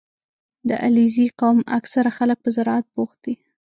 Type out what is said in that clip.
• د علیزي قوم اکثره خلک په زراعت بوخت دي.